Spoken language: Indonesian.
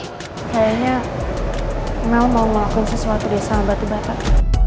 kayaknya mel mau ngelakuin sesuatu dia sama batu batak